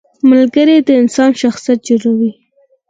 • ملګری د انسان شخصیت جوړوي.